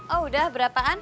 oh udah berapaan